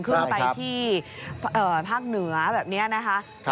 ขึ้นไปที่ภาคเหนือแบบนี้นะคะ